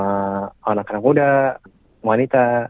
dengan anak anak muda wanita